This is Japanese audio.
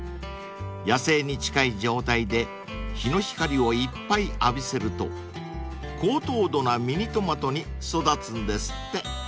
［野生に近い状態で日の光をいっぱい浴びせると高糖度なミニトマトに育つんですって］